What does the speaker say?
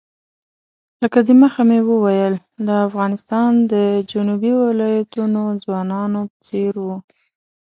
لکه د مخه مې وویل د افغانستان د جنوبي ولایتونو ځوانانو په څېر وو.